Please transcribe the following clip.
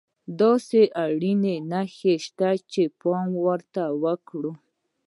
داسې اړينې نښې شته چې پام ورته وکړو.